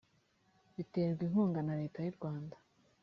biterwa inkunga na leta y u rwanda